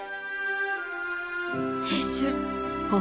青春